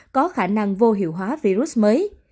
có khả năng vô hiệu hóa virus mới